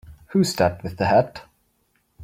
Who's that with the hat?